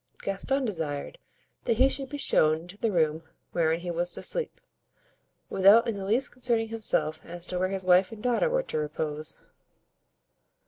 Gaston desired that he should be shown into the room wherein he was to sleep, without in the least concerning himself as to where his wife and daughter were to repose.